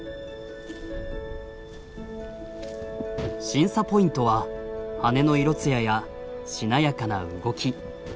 審査ポイントは羽の色艶やしなやかな動き。